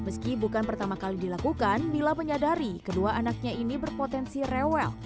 meski bukan pertama kali dilakukan mila menyadari kedua anaknya ini berpotensi rewel